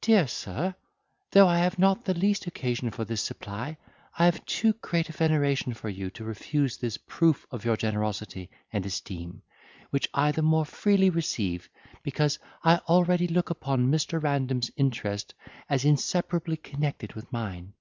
"Dear sir, though I have not the least occasion for this supply, I have too great a veneration for you to refuse this proof of your generosity and esteem, which I the more freely receive, because I already look upon Mr. Random's interest as inseparably connected with mine."